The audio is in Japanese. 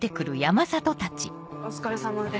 お疲れさまです。